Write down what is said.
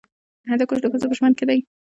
هندوکش د ښځو په ژوند کې دي.